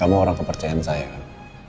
kamu orang kepercayaan saya kan